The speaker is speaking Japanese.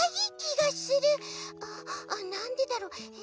ああなんでだろう？え。